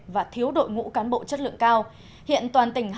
và thiếu đội ngũ cán bộ chất lượng cao